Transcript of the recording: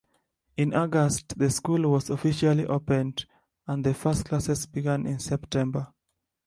In August the school was officially opened, and the first classes began in September.